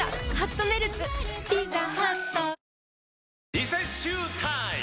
リセッシュータイム！